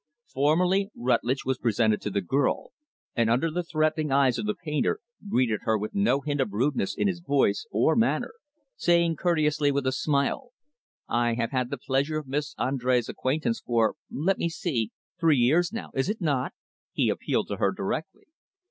Formally, Rutlidge was presented to the girl; and, under the threatening eyes of the painter, greeted her with no hint of rudeness in his voice or manner; saying courteously, with a smile, "I have had the pleasure of Miss Andrés' acquaintance for let me see three years now, is it not?" he appealed to her directly.